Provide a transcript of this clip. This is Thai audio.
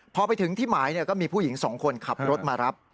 พอไปถึงที่หมายก็มีผู้หญิง๒คนขับรถมารับ